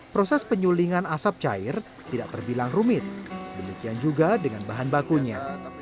proses penyulingan asap cair tidak terbilang rumit demikian juga dengan bahan bakunya